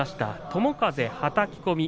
友風、はたき込み。